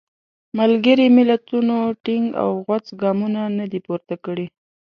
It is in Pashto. ملګري ملتونو ټینګ او غوڅ ګامونه نه دي پورته کړي.